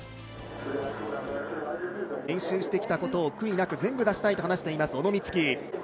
練習してきたことを悔いなく全部出したいと話しています、小野光希。